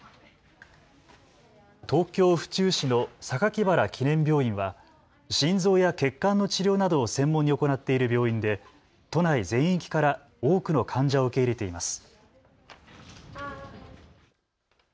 東京府中市の榊原記念病院は心臓や血管の治療などを専門に行っている病院で都内全域から多くの患者を受け入れています。